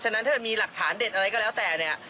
นั้นถ้ามันมีหลักฐานเด็ดอะไรก็แล้วแต่เนี่ย